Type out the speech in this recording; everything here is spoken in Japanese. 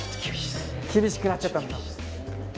厳しくなっちゃったんだ。